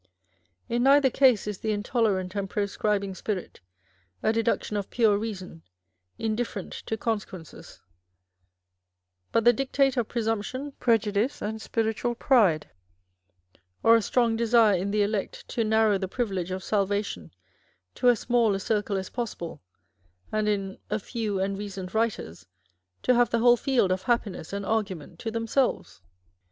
In neither case is the intolerant and proscribing spirit a deduction of pure reason, indifferent to consequences, but the dictate of presumption, prejudice, and spiritual pride, or a strong desire in the ELECT to narrow the privilege of salvation to as small a circle as possible, and in " a few and recent writers " to have the whole field of happiness and argument to themselves.